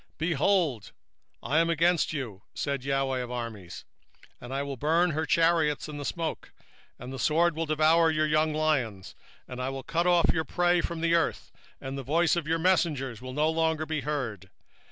2:13 Behold, I am against thee, saith the LORD of hosts, and I will burn her chariots in the smoke, and the sword shall devour thy young lions: and I will cut off thy prey from the earth, and the voice of thy messengers shall no more be heard.